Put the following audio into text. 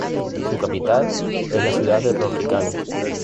Su capital es la ciudad de Rokycany.